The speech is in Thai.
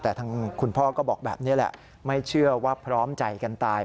แต่ทางคุณพ่อก็บอกแบบนี้แหละไม่เชื่อว่าพร้อมใจกันตาย